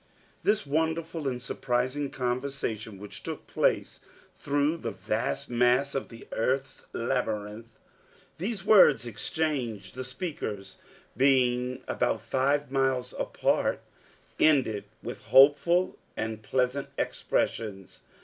This wonderful and surprising conversation which took place through the vast mass of the earth's labyrinth, these words exchanged, the speakers being about five miles apart ended with hopeful and pleasant expressions.